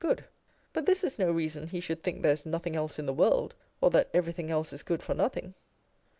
Good : but this is no reason he should think there is nothing else in the world, or that everything else is good for nothing.